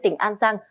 tỉnh an giang